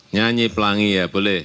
nyanyi pelangi ya boleh